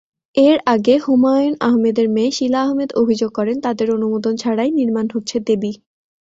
এর আগে হুমায়ূন আহমেদের মেয়ে শীলা আহমেদ অভিযোগ করেন তাদের অনুমোদন ছাড়াই নির্মান হচ্ছে দেবী।